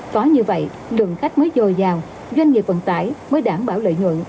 có như vậy lượng khách mới dồi dào doanh nghiệp vận tải mới đảm bảo lợi nhuận